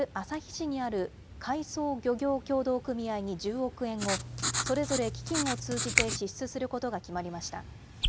市にある海匝漁業協同組合に１０億円を、それぞれ基金を通じて支出することが決まりました。